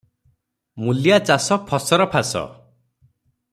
ମୂଲିଆ ଚାଷ ଫସରଫାସ ।"